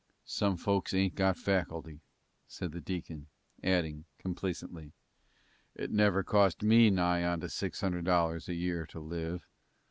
"Some folks ain't got faculty," said the deacon, adding, complacently, "it never cost me nigh on to six hundred dollars a year to live."